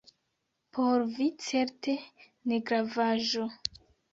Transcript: Por vi certe negravaĵo!